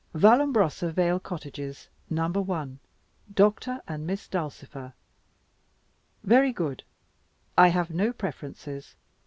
Vallombrosa Vale Cottages. No. 1. Doctor and Miss Dulcifer. Very good. I have no preferences.